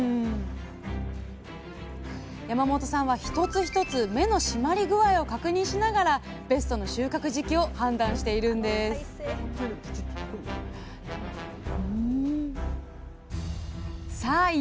山本さんは一つ一つ芽の締まり具合を確認しながらベストの収穫時期を判断しているんですさあ